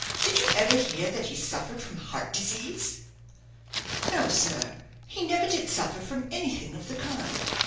Did you ever hear that he suffered from heart disease?" "No, sir; he never did suffer from anything of the kind.